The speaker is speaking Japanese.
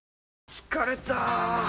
疲れた！